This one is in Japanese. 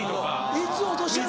いつ落とし穴に。